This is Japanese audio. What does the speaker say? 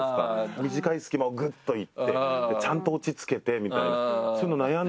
短い隙間をグっといってちゃんとオチつけてみたいな。